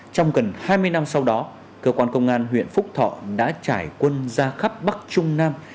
trong gần hai mươi năm sau đó cơ quan công an huyện phúc thọ đã trải quân ra khắp bắc trung nam